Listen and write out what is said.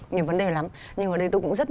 nhiều vấn đề lắm nhưng ở đây tôi cũng rất